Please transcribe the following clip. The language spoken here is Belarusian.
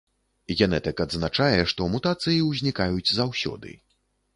Генетык адзначае, што мутацыі ўзнікаюць заўсёды.